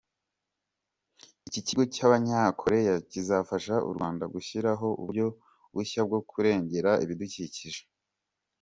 Iki kigo cy’Abanyakoreya kizafasha u Rwanda gushyiraho uburyo bushya bwo kurengera ibidukikije.